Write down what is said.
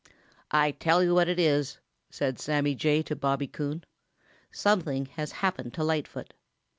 "] "I tell you what it is," said Sammy Jay to Bobby Coon, "something has happened to Lightfoot.